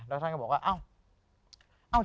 แล้วท่านก็บอกว่าเอ้า